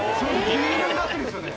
銀色になってるんすよね